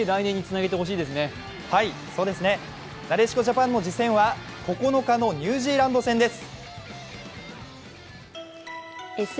なでしこジャパンの次戦は９日のニュージーランド戦です。